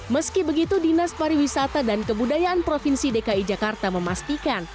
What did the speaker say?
meski begitu dinas pariwisata dan kebudayaan provinsi dki jakarta memastikan